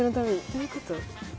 どういうこと？